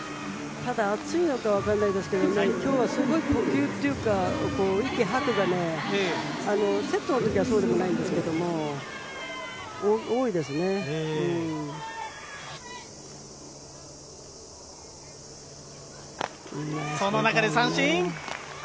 ただ、暑いのかわからないんですけど今日はすごい呼吸というか息を吐くのがセットの時はそうでもないんですけれどもその中で三振！